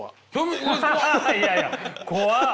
いやいや怖っ！